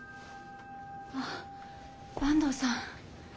あ坂東さん。